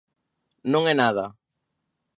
Non é nada.